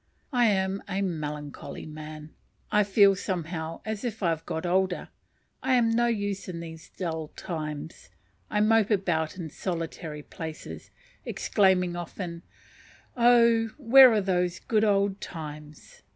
I am a melancholy man. I feel somehow as if I had got older. I am no use in these dull times. I mope about in solitary places, exclaiming often, "Oh! where are those good old times?"